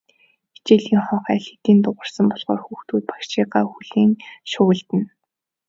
Хичээлийн хонх аль хэдийн дуугарсан болохоор хүүхдүүд багшийгаа хүлээн шуугилдана.